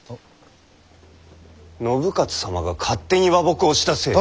信雄様が勝手に和睦をしたせいで。